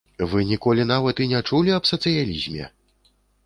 Вы ніколі нават і не чулі аб сацыялізме?